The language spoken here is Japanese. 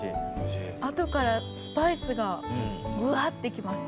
後からスパイスがぐわってきます。